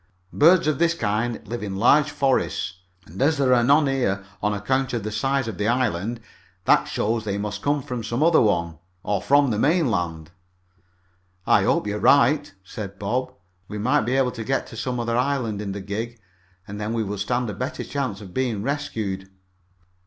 Birds of this kind live in large forests, and as there are none here, on account of the size of this island, that shows they must come from some other one, or from the mainland." "I hope you're right," said Bob. "We might be able to get to some other island in the gig, and then we would stand a better chance of being rescued."